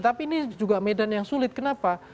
tapi ini juga medan yang sulit kenapa